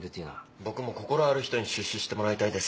僕も心ある人に出資してもらいたいです。